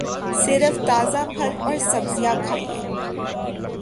صرف تازہ پھل اور سبزیاں کھائیے